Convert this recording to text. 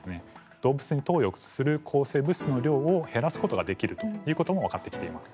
動物に投与する抗生物質の量を減らすことができるということも分かってきています。